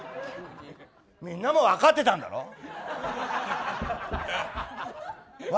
みんなもわかってたんだろ？